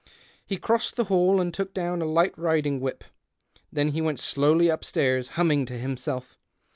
He crossed the hall and took down a light riding whip. Then he went slowly upstairs, humming to himself.